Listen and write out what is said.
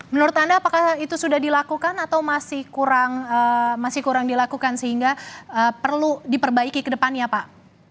menurut anda apakah itu sudah dilakukan atau masih kurang dilakukan sehingga perlu diperbaiki ke depannya pak